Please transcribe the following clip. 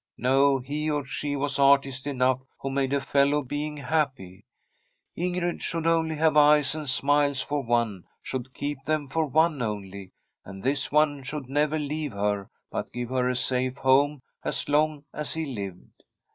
No ; he or she was artist enough, who made a fellow being happy. Ingrid should only have eyes and smiles for one, should keep them for one only; and this one should never leave her, but give her a safe home as long as he lived.